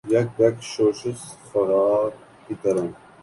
یک بیک شورش فغاں کی طرح